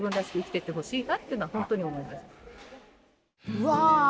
うわ！